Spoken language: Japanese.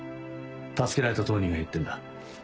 助けられた当人が言ってんだ。